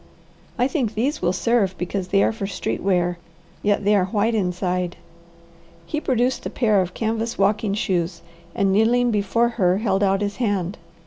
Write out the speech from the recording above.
I think these will serve because they are for street wear, yet they are white inside." He produced a pair of canvas walking shoes and kneeling before her held out his hand.